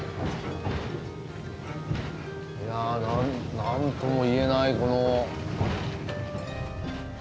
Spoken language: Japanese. いや何とも言えないこの。